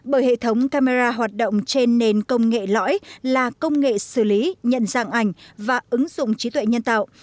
bởi hệ thống camera hoạt động trên nền công nghệ lõi là công nghệ xử lý nhận dạng ảnh và ứng dụng trí tuệ nhân tạo